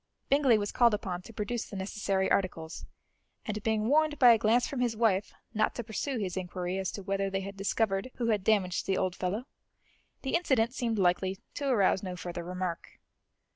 Bingley was called upon to produce the necessary articles, and being warned by a glance from his wife not to pursue his inquiry as to whether they had discovered who had damaged the old fellow, the incident seemed likely to arouse no further remark.